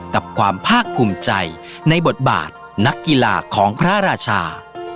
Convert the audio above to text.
กับความภาคภูมิใจในบทบาทนักกีฬาของพระราชา